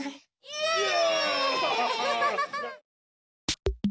イエイ！